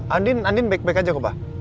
andi andi back back aja kok pak